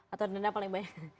atau dendam paling banyak